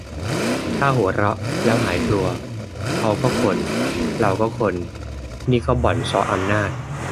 ถ้าหัวเราะแล้วหายกลัว เขาก็คน เราก็คน นี่ก็บ่อนเซาะอำนาจ